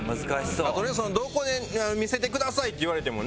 とりあえずどこで見せてくださいって言われてもね。